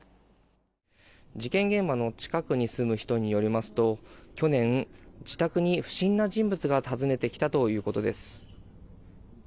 事件現場の近くに住む人によりますと去年、自宅に不審な人物が訪ねてきたということです。